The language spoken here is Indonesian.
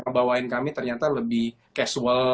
bawain kami ternyata lebih casual